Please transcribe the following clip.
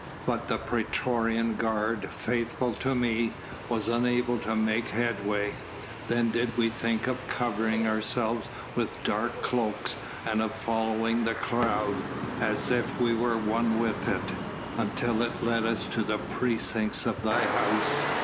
But the praetorian guard, faithful to me, was unable to make headway. Then did we think of covering ourselves with dark cloaks and of following the crowd, as if we were one with it, until it led us to the precincts of thy house.